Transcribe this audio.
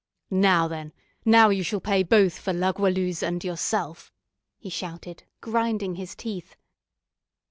"Now, then, now you shall pay both for La Goualeuse and yourself!" he shouted, grinding his teeth.